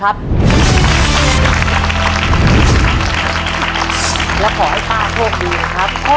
ตัวเลือกที่๔๖ดอก